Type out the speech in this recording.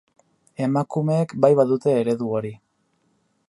Emakumeek bai badute eredu hori.